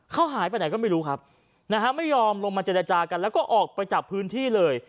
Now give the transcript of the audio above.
เขาหายไปไหนก็ไม่รู้ครับนะฮะไม่ยอมลงมาเจรจากันแล้วก็ออกไปจากพื้นที่เลย